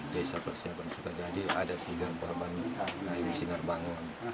desa persiapan sukajadi ada tiga korban dari sinar bangun